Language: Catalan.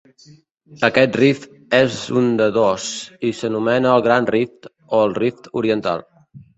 Aquest rift és un de dos, i s'anomena el Gran Rift o el Rift Oriental.